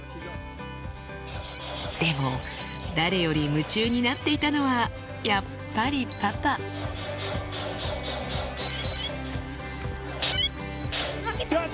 でも誰より夢中になっていたのはやっぱりパパ負けた！